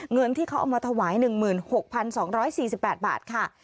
เงินที่เขาเอามาถวาย๑๖๒๔๘บาทค่ะ